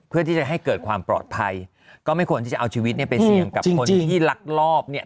เพื่อที่จะให้เกิดความปลอดภัยก็ไม่ควรที่จะเอาชีวิตเนี่ยไปเสี่ยงกับคนที่ลักลอบเนี่ย